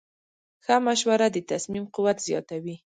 ښه مشوره د تصمیم قوت زیاتوي.